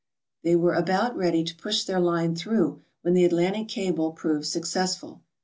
They were about ready to push their line through when the Atlantic cable proved successful.